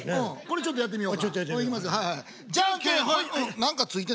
ちょっとやってみよう。